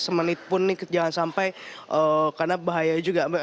semenit pun nih jangan sampai karena bahaya juga mbak